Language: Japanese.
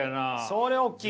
それは大きい。